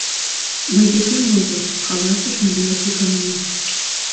— Мый декем возо, — каласыш Мария Тихоновна.